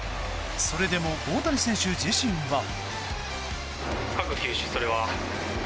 それでも大谷選手自身は。